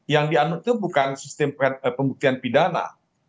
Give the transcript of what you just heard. yang dianut itu bukan sistem pembuktian pidana